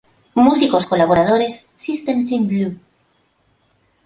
Músicos colaboradores Systems in Blue.